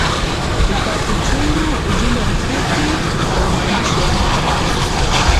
uka kutuma ujumbe mfupi wa maandishi ama arafa